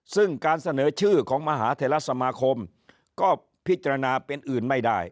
ซึ่งการเสนอชื่อของมหาเทลสมาคมก็พิจารณาเป็นอื่นไม่ได้